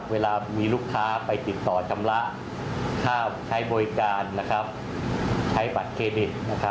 เวลามีลูกค้าไปติดต่อชำระค่าใช้บริการใช้บัตรเครดิต